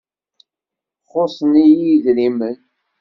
Xuṣṣen-iyi idrimen.